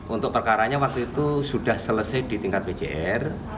untuk perkaranya waktu itu sudah selesai di tingkat bcr